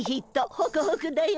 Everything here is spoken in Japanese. ホクホクだよ。